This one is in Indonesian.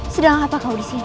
sedang apa kau disini